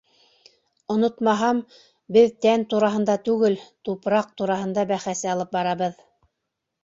Онотмаһам, беҙ тән тураһында түгел, тупраҡ тураһында бәхәс алып барабыҙ.